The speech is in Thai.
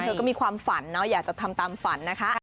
เธอก็มีความฝันเนาะอยากจะทำตามฝันนะคะ